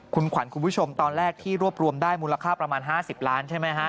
คุณขวัญคุณผู้ชมตอนแรกที่รวบรวมได้มูลค่าประมาณ๕๐ล้านใช่ไหมฮะ